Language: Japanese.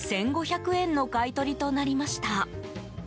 １５００円の買い取りとなりました。